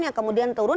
yang kemudian turun